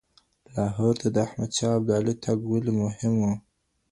لاهور ته د احمد شاه ابدالي تګ ولي مهم و؟